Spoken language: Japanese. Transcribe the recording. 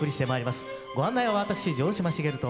ご案内は私城島茂と。